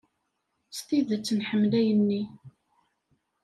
S tidet nḥemmel ayen-nni.